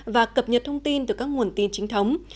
và cập nhật thông tin từ các nguồn tin chính thống